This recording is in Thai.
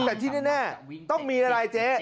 แต่ที่แน่ต้องมีอะไรเจ๊